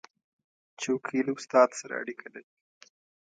چوکۍ له استاد سره اړیکه لري.